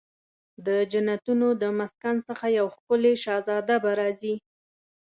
د جنتونو د مسکن څخه یو ښکلې شهزاده به راځي